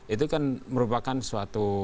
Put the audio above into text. itu kan merupakan suatu